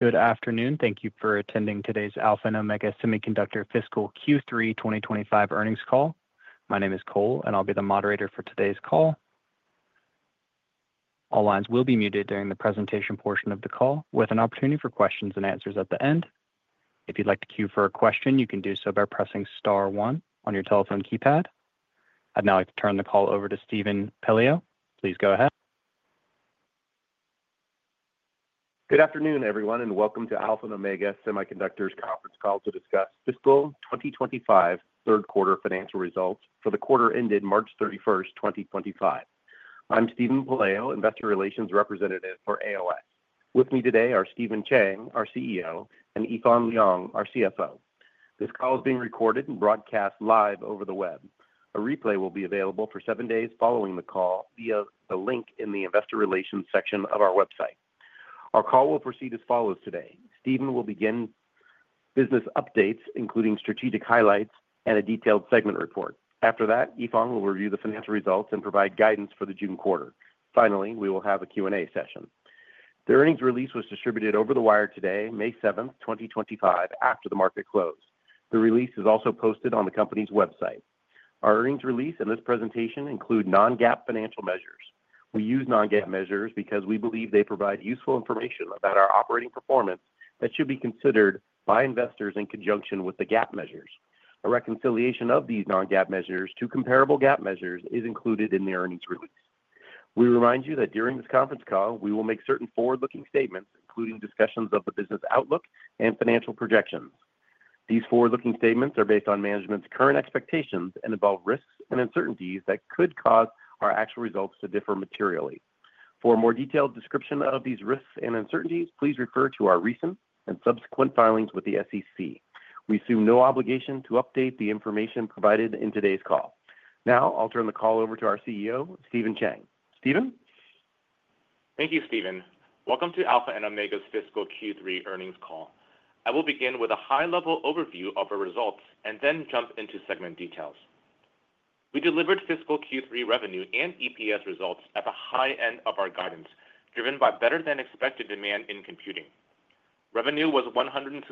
Good afternoon. Thank you for attending today's Alpha and Omega Semiconductor Fiscal Q3 2025 Earnings Call. My name is Cole, and I'll be the moderator for today's call. All lines will be muted during the presentation portion of the call, with an opportunity for questions and answers at the end. If you'd like to queue for a question, you can do so by pressing Star 1 on your telephone keypad. I'd now like to turn the call over to Steven Pelayo. Please go ahead. Good afternoon, everyone, and welcome to Alpha and Omega Semiconductor's conference call to discuss Fiscal 2025 third-quarter financial results for the quarter ended March 31, 2025. I'm Steven Pelayo, Investor Relations Representative for AOS. With me today are Steven Chang, our CEO, and Yifan Liang, our CFO. This call is being recorded and broadcast live over the web. A replay will be available for seven days following the call via the link in the Investor Relations section of our website. Our call will proceed as follows today: Steven will begin business updates, including strategic highlights and a detailed segment report. After that, Yifan will review the financial results and provide guidance for the June quarter. Finally, we will have a Q&A session. The earnings release was distributed over the wire today, May 7, 2025, after the market closed. The release is also posted on the company's website. Our earnings release and this presentation include non-GAAP financial measures. We use non-GAAP measures because we believe they provide useful information about our operating performance that should be considered by investors in conjunction with the GAAP measures. A reconciliation of these non-GAAP measures to comparable GAAP measures is included in the earnings release. We remind you that during this conference call, we will make certain forward-looking statements, including discussions of the business outlook and financial projections. These forward-looking statements are based on management's current expectations and involve risks and uncertainties that could cause our actual results to differ materially. For a more detailed description of these risks and uncertainties, please refer to our recent and subsequent filings with the SEC. We assume no obligation to update the information provided in today's call. Now, I'll turn the call over to our CEO, Steven Chang. Steven? Thank you, Steven. Welcome to Alpha and Omega's Fiscal Q3 earnings call. I will begin with a high-level overview of our results and then jump into segment details. We delivered Fiscal Q3 revenue and EPS results at the high end of our guidance, driven by better-than-expected demand in computing. Revenue was $164.6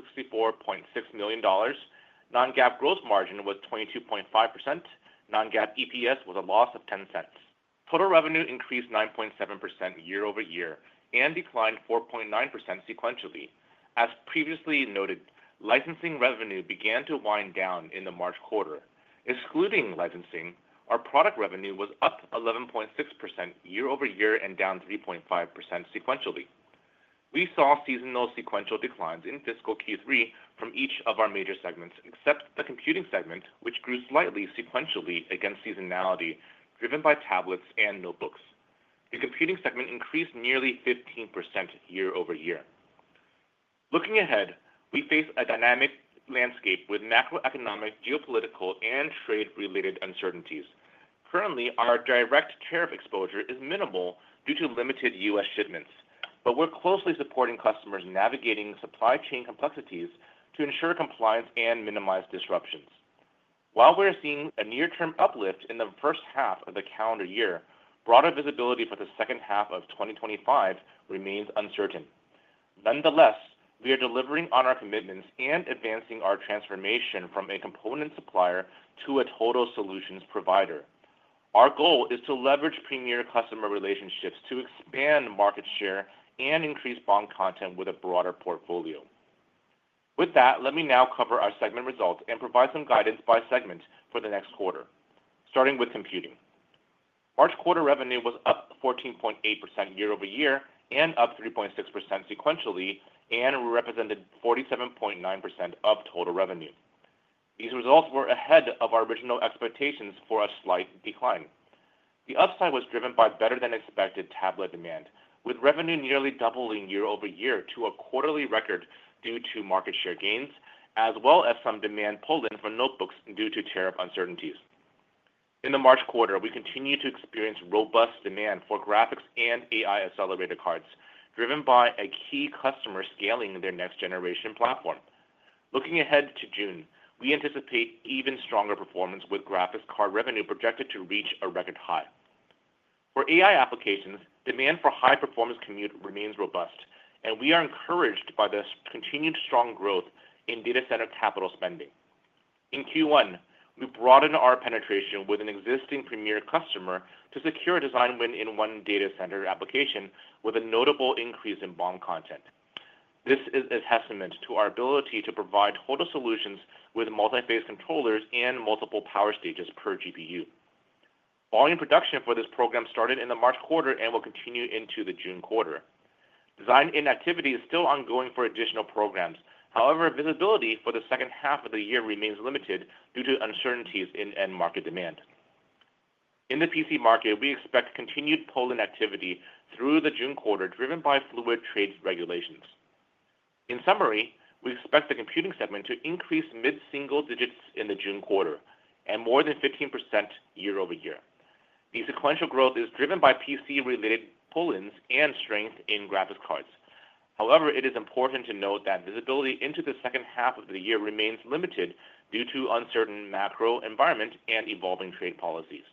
million. Non-GAAP gross margin was 22.5%. Non-GAAP EPS was a loss of $0.10. Total revenue increased 9.7% year-over-year and declined 4.9% sequentially. As previously noted, licensing revenue began to wind down in the March quarter. Excluding licensing, our product revenue was up 11.6% year-over-year and down 3.5% sequentially. We saw seasonal sequential declines in Fiscal Q3 from each of our major segments, except the computing segment, which grew slightly sequentially against seasonality, driven by tablets and notebooks. The computing segment increased nearly 15% year-over-year. Looking ahead, we face a dynamic landscape with macroeconomic, geopolitical, and trade-related uncertainties. Currently, our direct tariff exposure is minimal due to limited U.S. shipments, but we're closely supporting customers navigating supply chain complexities to ensure compliance and minimize disruptions. While we're seeing a near-term uplift in the first half of the calendar year, broader visibility for the second half of 2025 remains uncertain. Nonetheless, we are delivering on our commitments and advancing our transformation from a component supplier to a total solutions provider. Our goal is to leverage premier customer relationships to expand market share and increase bond content with a broader portfolio. With that, let me now cover our segment results and provide some guidance by segment for the next quarter, starting with computing. March quarter revenue was up 14.8% year-over-year and up 3.6% sequentially, and we represented 47.9% of total revenue. These results were ahead of our original expectations for a slight decline. The upside was driven by better-than-expected tablet demand, with revenue nearly doubling year-over-year to a quarterly record due to market share gains, as well as some demand pulled in from notebooks due to tariff uncertainties. In the March quarter, we continue to experience robust demand for graphics and AI-accelerated cards, driven by a key customer scaling their next-generation platform. Looking ahead to June, we anticipate even stronger performance with graphics card revenue projected to reach a record high. For AI applications, demand for high-performance compute remains robust, and we are encouraged by the continued strong growth in data center capital spending. In Q1, we broadened our penetration with an existing premier customer to secure a design win in one data center application with a notable increase in bond content. This is a testament to our ability to provide total solutions with multi-phase controllers and multiple power stages per GPU. Volume production for this program started in the March quarter and will continue into the June quarter. Design inactivity is still ongoing for additional programs. However, visibility for the second half of the year remains limited due to uncertainties in end market demand. In the PC market, we expect continued pull-in activity through the June quarter, driven by fluid trade regulations. In summary, we expect the computing segment to increase mid-single digits in the June quarter and more than 15% year-over-year. The sequential growth is driven by PC-related pull-ins and strength in graphics cards. However, it is important to note that visibility into the second half of the year remains limited due to uncertain macro environment and evolving trade policies.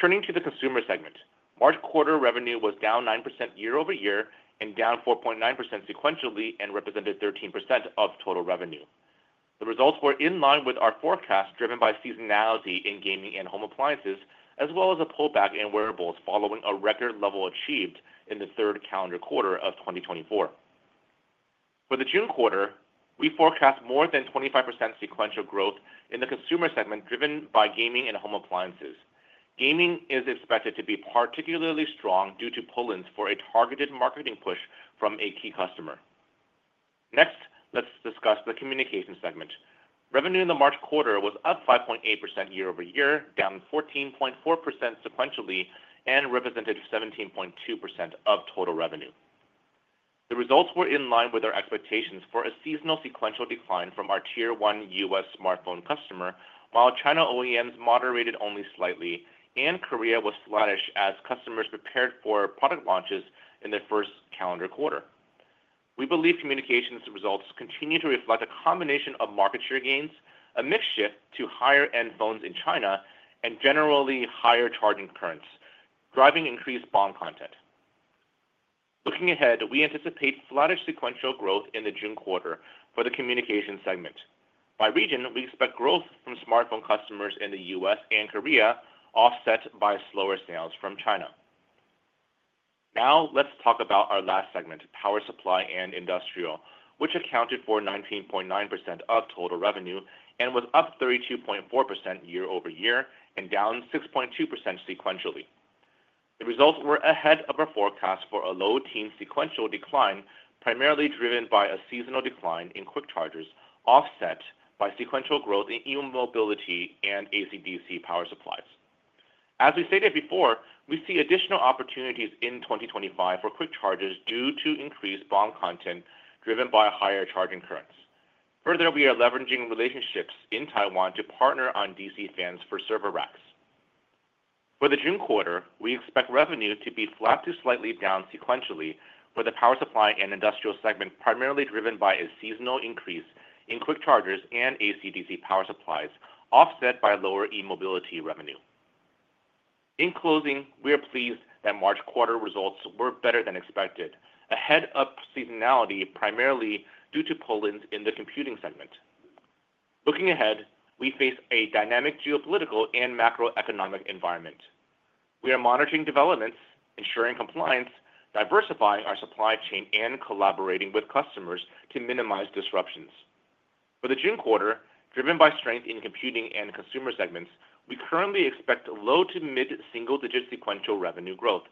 Turning to the consumer segment, March quarter revenue was down 9% year-over-year and down 4.9% sequentially and represented 13% of total revenue. The results were in line with our forecast, driven by seasonality in gaming and home appliances, as well as a pullback in wearables following a record level achieved in the third calendar quarter of 2024. For the June quarter, we forecast more than 25% sequential growth in the consumer segment, driven by gaming and home appliances. Gaming is expected to be particularly strong due to pull-ins for a targeted marketing push from a key customer. Next, let's discuss the communication segment. Revenue in the March quarter was up 5.8% year-over-year, down 14.4% sequentially, and represented 17.2% of total revenue. The results were in line with our expectations for a seasonal sequential decline from our tier-one U.S. smartphone customer, while China OEMs moderated only slightly, and Korea was sluggish as customers prepared for product launches in the first calendar quarter. We believe communications results continue to reflect a combination of market share gains, a mix shift to higher-end phones in China, and generally higher charging currents, driving increased BOM content. Looking ahead, we anticipate sluggish sequential growth in the June quarter for the communication segment. By region, we expect growth from smartphone customers in the U.S. and Korea, offset by slower sales from China. Now, let's talk about our last segment, power supply and industrial, which accounted for 19.9% of total revenue and was up 32.4% year-over-year and down 6.2% sequentially. The results were ahead of our forecast for a low-teens sequential decline, primarily driven by a seasonal decline in quick chargers, offset by sequential growth in e-mobility and AC/DC power supplies. As we stated before, we see additional opportunities in 2025 for quick chargers due to increased BOM content driven by higher charging currents. Further, we are leveraging relationships in Taiwan to partner on DC fans for server racks. For the June quarter, we expect revenue to be flat to slightly down sequentially for the power supply and industrial segment, primarily driven by a seasonal increase in quick chargers and AC/DC power supplies, offset by lower e-mobility revenue. In closing, we are pleased that March quarter results were better than expected, ahead of seasonality primarily due to pull-ins in the computing segment. Looking ahead, we face a dynamic geopolitical and macroeconomic environment. We are monitoring developments, ensuring compliance, diversifying our supply chain, and collaborating with customers to minimize disruptions. For the June quarter, driven by strength in computing and consumer segments, we currently expect low to mid-single digit sequential revenue growth,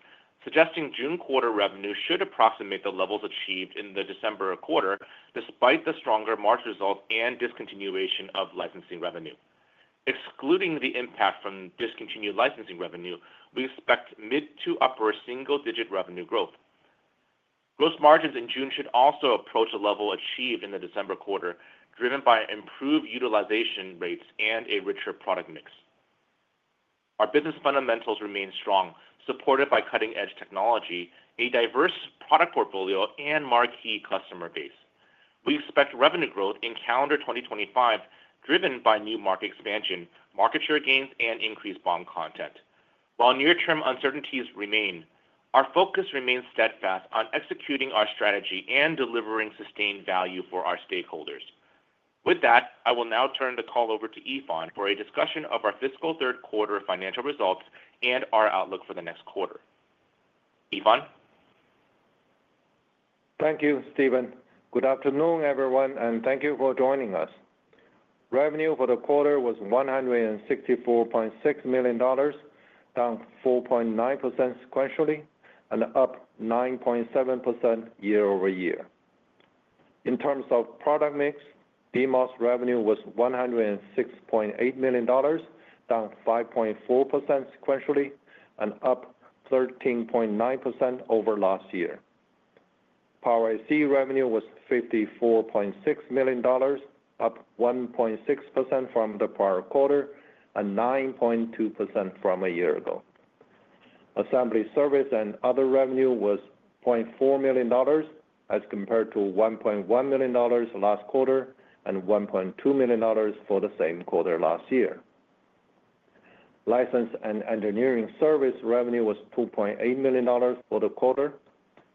suggesting June quarter revenue should approximate the levels achieved in the December quarter, despite the stronger March results and discontinuation of licensing revenue. Excluding the impact from discontinued licensing revenue, we expect mid to upper single-digit revenue growth. Gross margins in June should also approach a level achieved in the December quarter, driven by improved utilization rates and a richer product mix. Our business fundamentals remain strong, supported by cutting-edge technology, a diverse product portfolio, and marquee customer base. We expect revenue growth in calendar 2025, driven by new market expansion, market share gains, and increased bond content. While near-term uncertainties remain, our focus remains steadfast on executing our strategy and delivering sustained value for our stakeholders. With that, I will now turn the call over to Yifan for a discussion of our Fiscal third-quarter financial results and our outlook for the next quarter. Yifan? Thank you, Steven. Good afternoon, everyone, and thank you for joining us. Revenue for the quarter was $164.6 million, down 4.9% sequentially and up 9.7% year-over-year. In terms of product mix, DMOs revenue was $106.8 million, down 5.4% sequentially and up 13.9% over last year. Power AC revenue was $54.6 million, up 1.6% from the prior quarter and 9.2% from a year ago. Assembly service and other revenue was $0.4 million as compared to $1.1 million last quarter and $1.2 million for the same quarter last year. License and engineering service revenue was $2.8 million for the quarter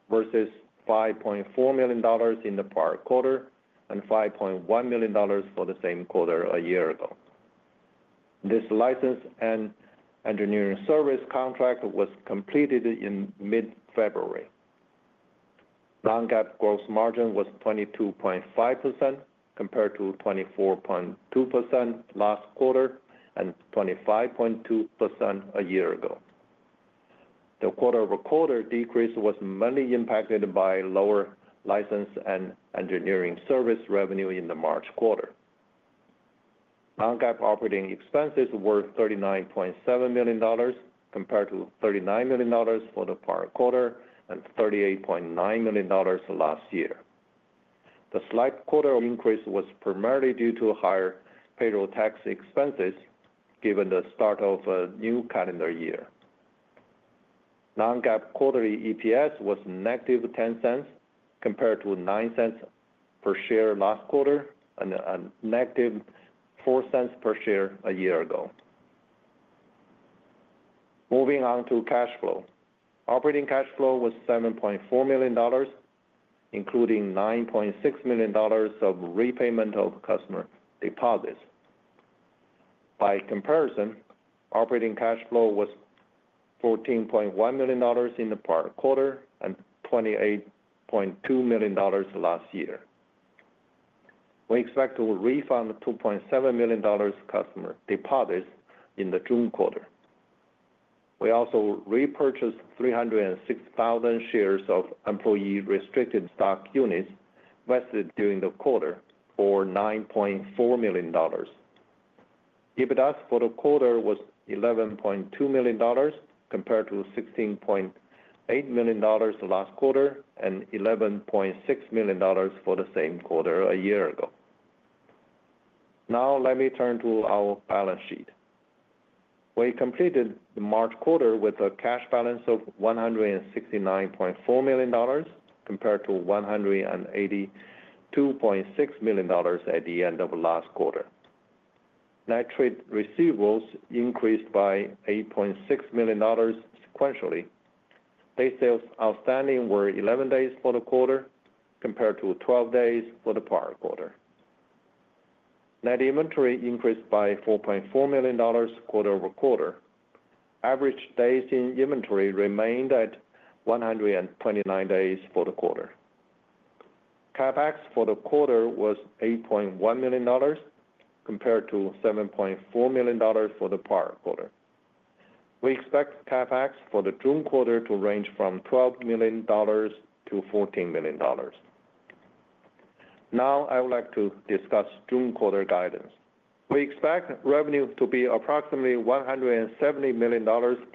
versus $5.4 million in the prior quarter and $5.1 million for the same quarter a year ago. This license and engineering service contract was completed in mid-February. Non-GAAP gross margin was 22.5% compared to 24.2% last quarter and 25.2% a year ago. The quarter-over-quarter decrease was mainly impacted by lower license and engineering service revenue in the March quarter. Non-GAAP operating expenses were $39.7 million compared to $39 million for the prior quarter and $38.9 million last year. The slight quarter increase was primarily due to higher payroll tax expenses given the start of a new calendar year. Non-GAAP quarterly EPS was negative $0.10 compared to $0.09 per share last quarter and a negative $0.04 per share a year ago. Moving on to cash flow. Operating cash flow was $7.4 million, including $9.6 million of repayment of customer deposits. By comparison, operating cash flow was $14.1 million in the prior quarter and $28.2 million last year. We expect to refund $2.7 million customer deposits in the June quarter. We also repurchased 306,000 shares of employee-restricted stock units vested during the quarter for $9.4 million. EBITDAS for the quarter was $11.2 million compared to $16.8 million last quarter and $11.6 million for the same quarter a year ago. Now, let me turn to our balance sheet. We completed the March quarter with a cash balance of $169.4 million compared to $182.6 million at the end of last quarter. Net trade receivables increased by $8.6 million sequentially. Day sales outstanding were 11 days for the quarter compared to 12 days for the prior quarter. Net inventory increased by $4.4 million quarter over quarter. Average days in inventory remained at 129 days for the quarter. CapEx for the quarter was $8.1 million compared to $7.4 million for the prior quarter. We expect CapEx for the June quarter to range from $12 million to $14 million. Now, I would like to discuss June quarter guidance. We expect revenue to be approximately $170 million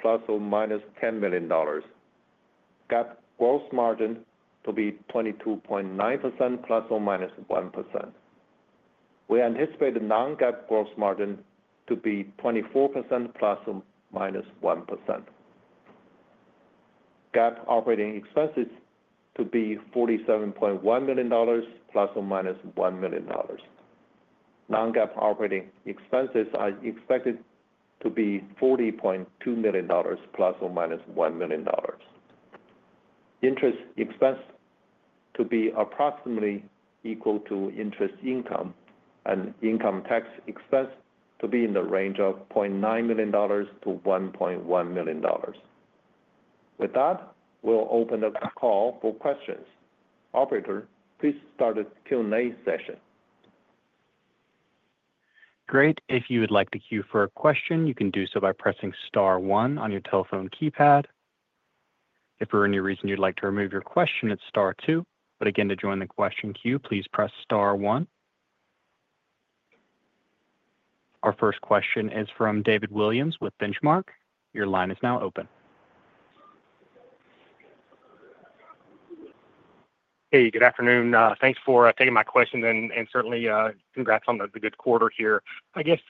plus or minus $10 million. GAAP gross margin to be 22.9% plus or minus 1%. We anticipate the non-GAAP gross margin to be 24% plus or minus 1%. GAAP operating expenses to be $47.1 million plus or minus $1 million. Non-GAAP operating expenses are expected to be $40.2 million plus or minus $1 million. Interest expense to be approximately equal to interest income and income tax expense to be in the range of $0.9 million-$1.1 million. With that, we'll open the call for questions. Operator, please start the Q&A session. Great. If you would like to queue for a question, you can do so by pressing Star 1 on your telephone keypad. If for any reason you'd like to remove your question, it's Star 2. Again, to join the question queue, please press Star 1. Our first question is from David Williams with Benchmark. Your line is now open. Hey, good afternoon. Thanks for taking my question and certainly congrats on the good quarter here. I guess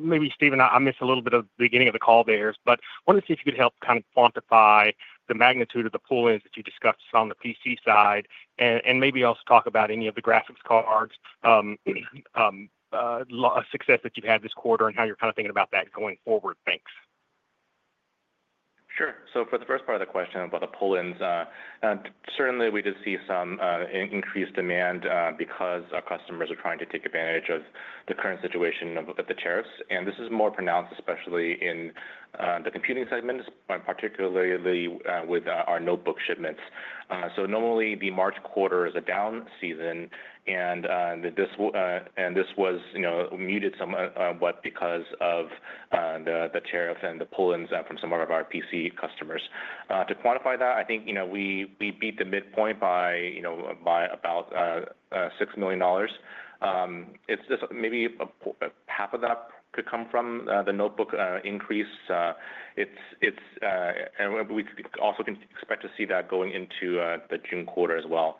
maybe, Steven, I missed a little bit of the beginning of the call there, but I wanted to see if you could help kind of quantify the magnitude of the pull-ins that you discussed on the PC side and maybe also talk about any of the graphics cards success that you've had this quarter and how you're kind of thinking about that going forward. Thanks. Sure. For the first part of the question about the pull-ins, certainly we did see some increased demand because our customers are trying to take advantage of the current situation of the tariffs. This is more pronounced, especially in the computing segments, particularly with our notebook shipments. Normally, the March quarter is a down season, and this was muted somewhat because of the tariff and the pull-ins from some of our PC customers. To quantify that, I think we beat the midpoint by about $6 million. Maybe half of that could come from the notebook increase. We also can expect to see that going into the June quarter as well.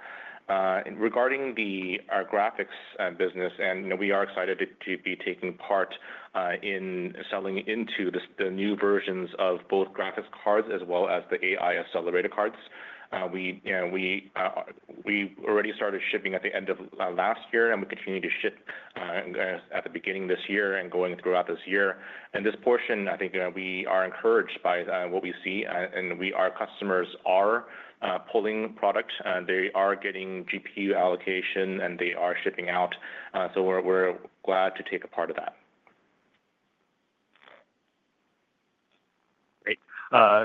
Regarding our graphics business, we are excited to be taking part in selling into the new versions of both graphics cards as well as the AI accelerator cards. We already started shipping at the end of last year, and we continue to ship at the beginning of this year and going throughout this year. In this portion, I think we are encouraged by what we see, and our customers are pulling product. They are getting GPU allocation, and they are shipping out. We are glad to take a part of that. Great.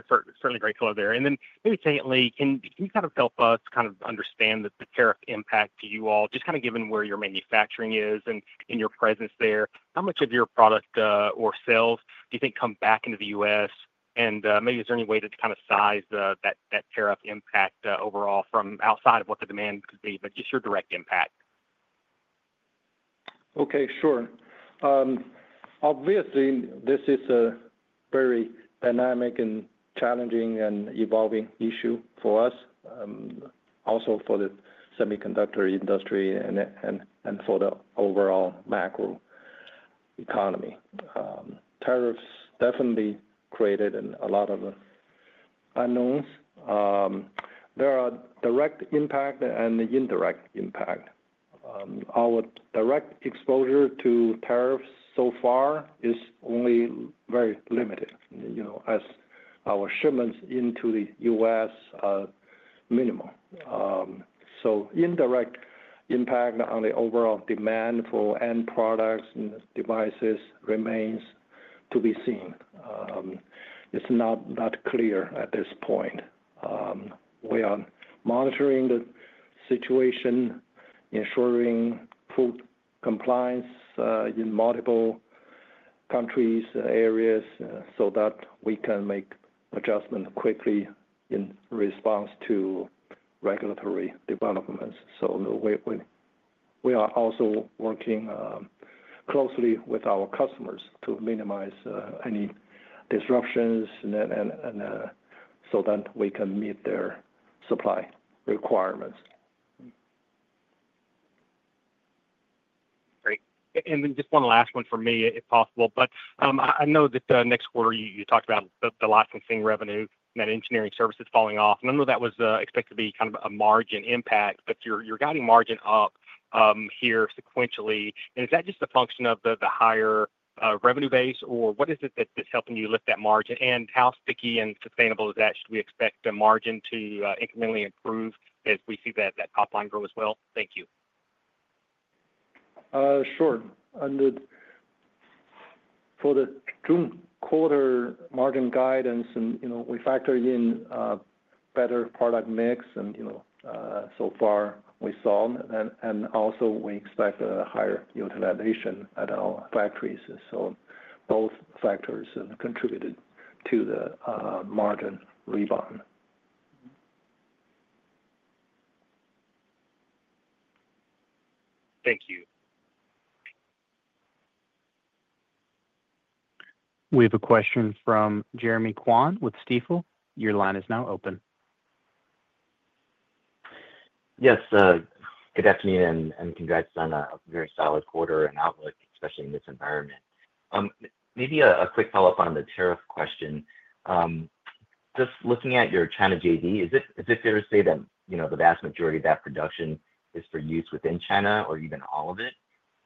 Certainly great to hear there. Maybe secondly, can you kind of help us kind of understand the tariff impact to you all? Just kind of given where your manufacturing is and your presence there, how much of your product or sales do you think come back into the U.S.? Maybe is there any way to kind of size that tariff impact overall from outside of what the demand could be, but just your direct impact? Okay, sure. Obviously, this is a very dynamic and challenging and evolving issue for us, also for the semiconductor industry and for the overall macro economy. Tariffs definitely created a lot of unknowns. There are direct impact and indirect impact. Our direct exposure to tariffs so far is only very limited, as our shipments into the U.S. are minimal. Indirect impact on the overall demand for end products and devices remains to be seen. It's not that clear at this point. We are monitoring the situation, ensuring full compliance in multiple countries and areas so that we can make adjustments quickly in response to regulatory developments. We are also working closely with our customers to minimize any disruptions so that we can meet their supply requirements. Great. Just one last one for me, if possible. I know that next quarter, you talked about the licensing revenue and that engineering service is falling off. I know that was expected to be kind of a margin impact, but you're guiding margin up here sequentially. Is that just a function of the higher revenue base, or what is it that's helping you lift that margin? How sticky and sustainable is that? Should we expect the margin to incrementally improve as we see that top line grow as well? Thank you. Sure. For the June quarter margin guidance, we factored in better product mix, and so far we saw, and also we expect a higher utilization at our factories. Both factors contributed to the margin rebound. Thank you. We have a question from Jeremy Quan with Stifel. Your line is now open. Yes. Good afternoon and congrats on a very solid quarter and outlook, especially in this environment. Maybe a quick follow-up on the tariff question. Just looking at your China JV, is it fair to say that the vast majority of that production is for use within China or even all of it?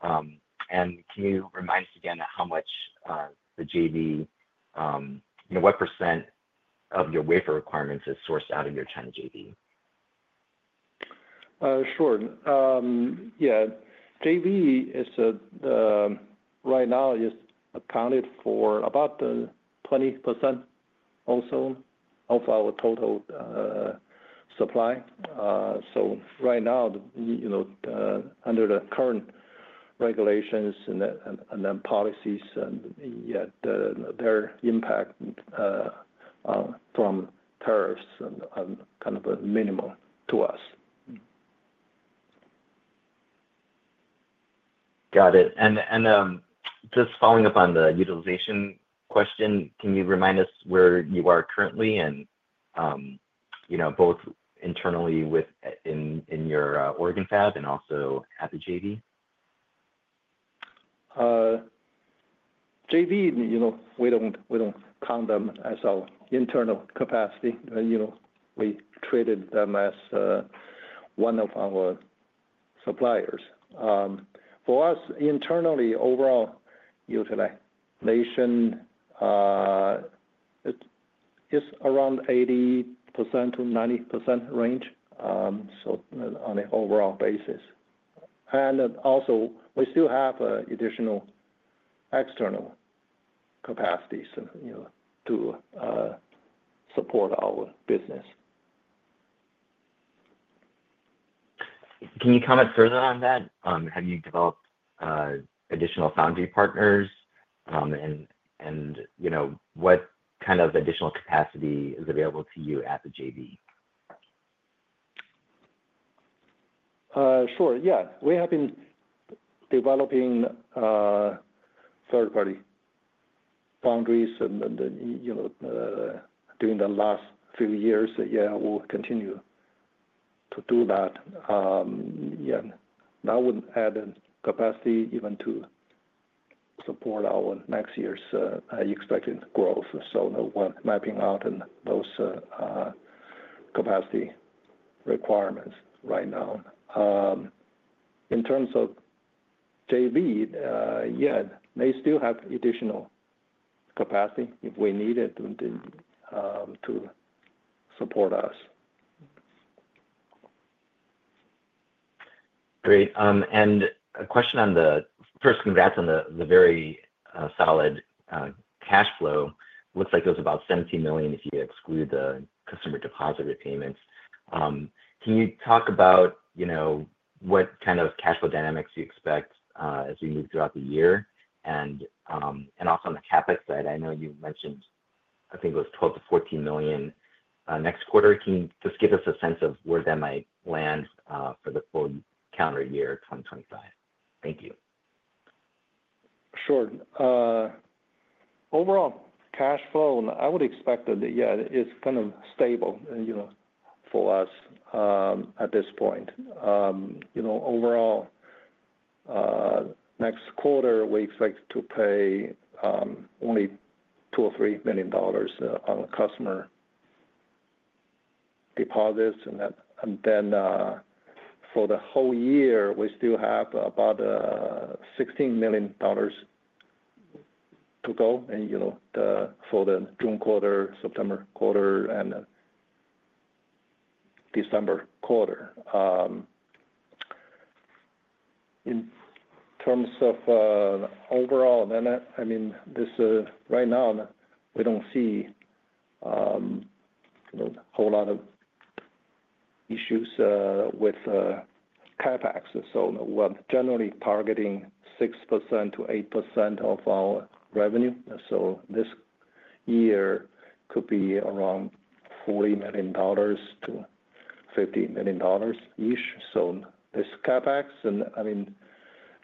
Can you remind us again how much the JV, what percent of your wafer requirements is sourced out of your China JV? Sure. Yeah. JV is right now just accounted for about 20% also of our total supply. Right now, under the current regulations and policies, their impact from tariffs is kind of minimal to us. Got it. And just following up on the utilization question, can you remind us where you are currently and both internally within your Oregon fab and also at the JV? JV, we do not count them as our internal capacity. We treated them as one of our suppliers. For us, internally, overall utilization is around 80%-90% range, so on an overall basis. We still have additional external capacities to support our business. Can you comment further on that? Have you developed additional foundry partners? What kind of additional capacity is available to you at the JV? Sure. Yeah. We have been developing third-party foundries, and during the last few years, yeah, we'll continue to do that. Yeah. That would add capacity even to support our next year's expected growth. We are mapping out those capacity requirements right now. In terms of JV, yeah, they still have additional capacity if we need it to support us. Great. A question on the first, congrats on the very solid cash flow. Looks like it was about $17 million if you exclude the customer deposit repayments. Can you talk about what kind of cash flow dynamics you expect as we move throughout the year? Also on the CapEx side, I know you mentioned, I think it was $12 million-$14 million next quarter. Can you just give us a sense of where that might land for the full calendar year 2025? Thank you. Sure. Overall cash flow, I would expect that, yeah, it's kind of stable for us at this point. Overall, next quarter, we expect to pay only $2 million or $3 million on customer deposits. And then for the whole year, we still have about $16 million to go for the June quarter, September quarter, and December quarter. In terms of overall, I mean, right now, we don't see a whole lot of issues with CapEx. So we're generally targeting 6%-8% of our revenue. This year could be around $40 million-$50 million each. This CapEx, I mean,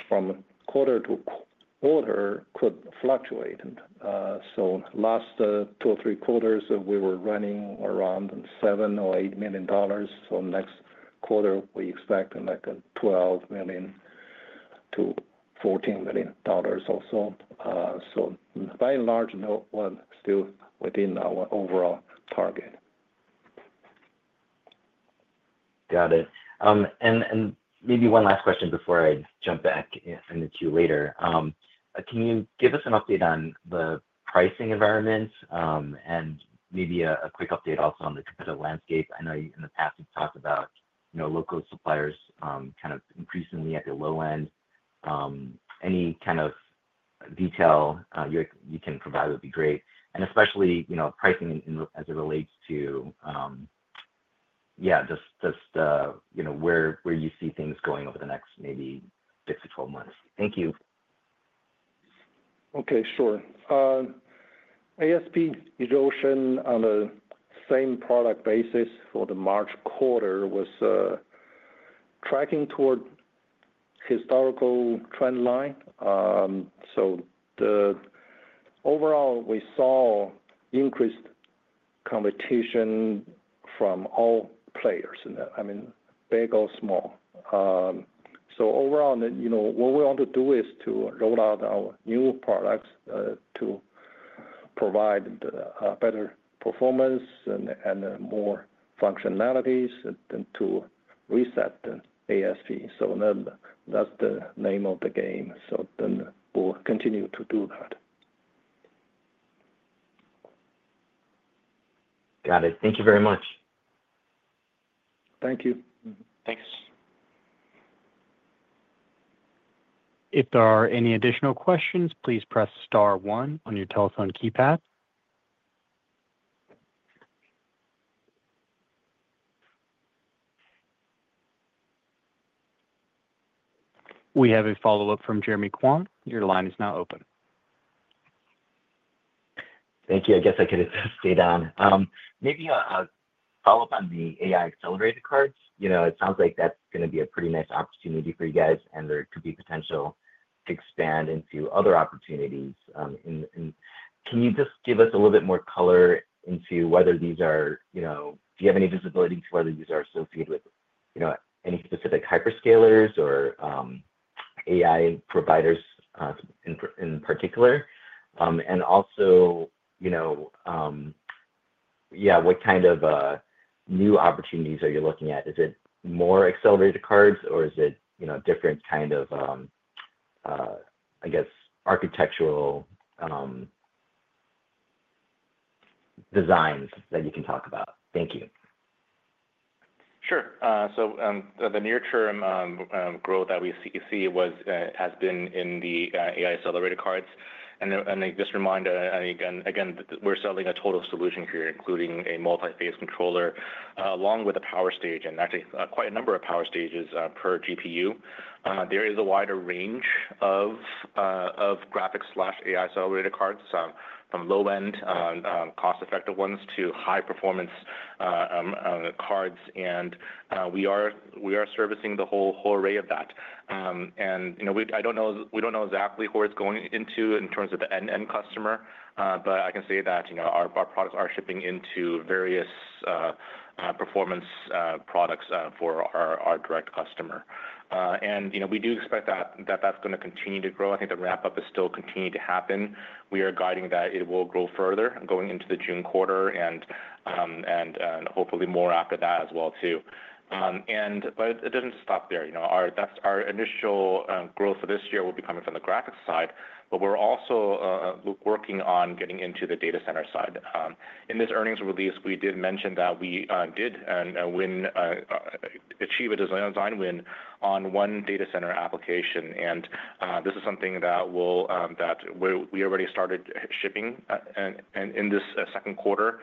from quarter to quarter could fluctuate. Last two or three quarters, we were running around $7 million or $8 million. Next quarter, we expect like $12 million-$14 million also. By and large, we're still within our overall target. Got it. Maybe one last question before I jump back into you later. Can you give us an update on the pricing environment and maybe a quick update also on the competitive landscape? I know in the past, you've talked about local suppliers kind of increasingly at the low end. Any kind of detail you can provide would be great. Especially pricing as it relates to, yeah, just where you see things going over the next maybe 6 to 12 months. Thank you. Okay, sure. ASP erosion on the same product basis for the March quarter was tracking toward historical trend line. Overall, we saw increased competition from all players, I mean, big or small. Overall, what we want to do is to roll out our new products to provide better performance and more functionalities to reset the ASP. That's the name of the game. We'll continue to do that. Got it. Thank you very much. Thank you. Thanks. If there are any additional questions, please press star one on your telephone keypad. We have a follow-up from Jeremy Quan. Your line is now open. Thank you. I guess I could stay down. Maybe a follow-up on the AI accelerator cards. It sounds like that's going to be a pretty nice opportunity for you guys, and there could be potential to expand into other opportunities. Can you just give us a little bit more color into whether these are—do you have any visibility to whether these are associated with any specific hyperscalers or AI providers in particular? Also, yeah, what kind of new opportunities are you looking at? Is it more accelerated cards, or is it different kind of, I guess, architectural designs that you can talk about? Thank you. Sure. The near-term growth that we see has been in the AI-accelerated cards. Just to remind, again, we're selling a total solution here, including a multi-phase controller along with a power stage and actually quite a number of power stages per GPU. There is a wider range of graphics/AI-accelerated cards, from low-end cost-effective ones to high-performance cards. We are servicing the whole array of that. I do not know exactly where it is going into in terms of the end customer, but I can say that our products are shipping into various performance products for our direct customer. We do expect that is going to continue to grow. I think the ramp-up is still continuing to happen. We are guiding that it will grow further going into the June quarter and hopefully more after that as well. It does not stop there. Our initial growth for this year will be coming from the graphics side, but we're also working on getting into the data center side. In this earnings release, we did mention that we did achieve a design win on one data center application. This is something that we already started shipping in this second quarter,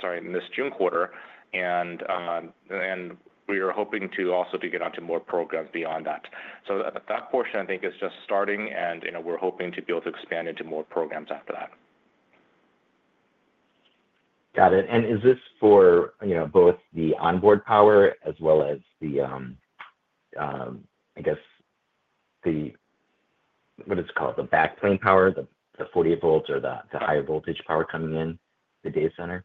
sorry, in this June quarter. We are hoping to also get onto more programs beyond that. That portion, I think, is just starting, and we're hoping to be able to expand into more programs after that. Got it. Is this for both the onboard power as well as the, I guess, what is it called, the backplane power, the 48 volts or the higher voltage power coming in the data center?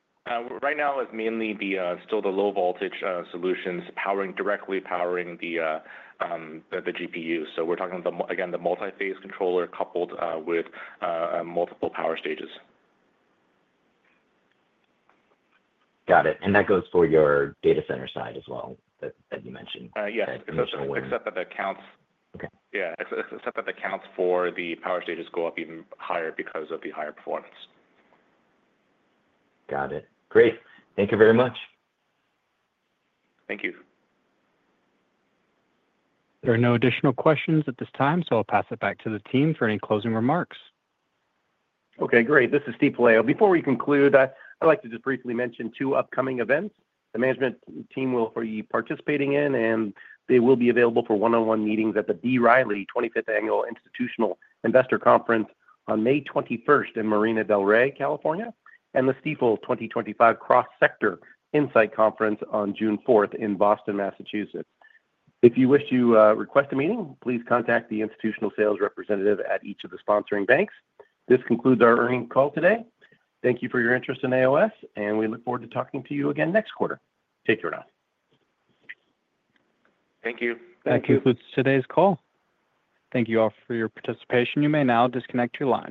Right now, it's mainly still the low voltage solutions directly powering the GPU. We're talking about, again, the multi-phase controller coupled with multiple power stages. Got it. That goes for your data center side as well that you mentioned. Yeah. Except that that counts for the power stages go up even higher because of the higher performance. Got it. Great. Thank you very much. Thank you. There are no additional questions at this time, so I'll pass it back to the team for any closing remarks. Okay, great. This is Steven Pelayo. Before we conclude, I'd like to just briefly mention two upcoming events. The management team will be participating in, and they will be available for one-on-one meetings at the DA Davidson 25th Annual Institutional Investor Conference on May 21 in Marina del Rey, California, and the Stifel 2025 Cross-Sector Insight Conference on June 4 in Boston, Massachusetts. If you wish to request a meeting, please contact the institutional sales representative at each of the sponsoring banks. This concludes our earnings call today. Thank you for your interest in AOS, and we look forward to talking to you again next quarter. Take care, now. Thank you. That concludes today's call. Thank you all for your participation. You may now disconnect your line.